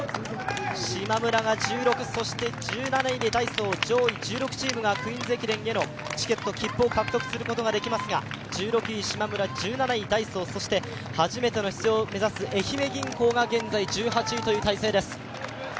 しまむらが１６位、１７位でダイソー、上位１６チームがクイーンズ駅伝へのチケットを獲得しますが１６位しまむら、１７位ダイソーそして初めての出場を目指す愛媛銀行が現在１８位という態勢です。